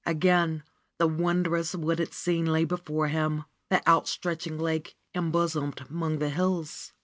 Again the wondrous wooded scene lay before him : ^Th' outstretching lake, embosomed 'mong the hills."